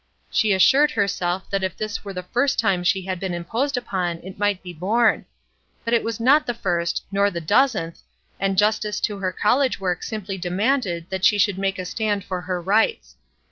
She assured her self that if this were the first time she had been imposed upon, it might be borne ; but it was not the first, nor the dozenth, and justice to her A REBEL 71 college work simply demanded that she should make a stand for her rights.